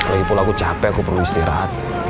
lagipula aku capek aku perlu istirahat